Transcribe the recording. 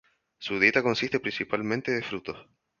Su dieta consiste principalmente de frutos.